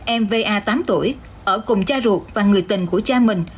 em va tám tuổi ở cùng cha ruột và người tình của cha mình